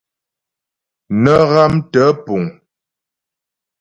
Nə́ ghámtə́ puŋ.